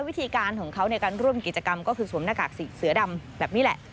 วิธีการของเขาในการร่วมกิจกรรมก็คือสวมหน้ากากเสือดำแบบนี้แหละ